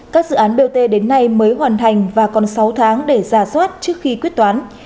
các dự án bot đến nay mới hoàn thành và còn sáu tháng để ra soát trước khi quyết toán